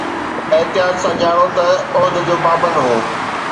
احتياط سان ڄاڻو ته عهد جو پابند هو